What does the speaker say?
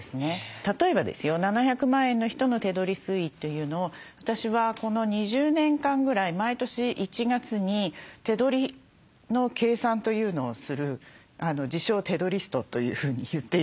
例えばですよ７００万円の人の手取り推移というのを私はこの２０年間ぐらい毎年１月に手取りの計算というのをする自称「手取りスト」というふうに言っているんです。